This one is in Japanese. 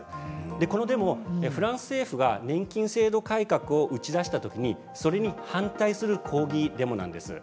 このデモはフランス政府が年金制度改革を打ち出した時にそれに反対する抗議デモなんです。